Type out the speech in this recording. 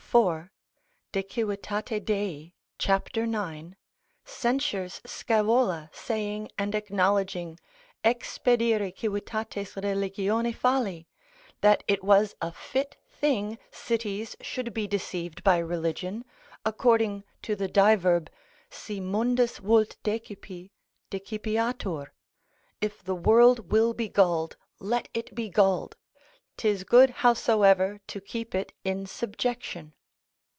4. de civitat. Dei. c. 9. censures Scaevola saying and acknowledging expedire civitates religione falli, that it was a fit thing cities should be deceived by religion, according to the diverb, Si mundus vult decipi, decipiatur, if the world will be gulled, let it be gulled, 'tis good howsoever to keep it in subjection.